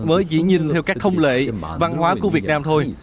mới dĩ nhìn theo các thông lệ văn hóa của việt nam thôi